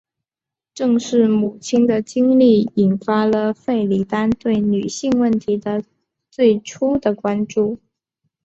正是母亲的经历引发了弗里丹对女性问题最初的关注。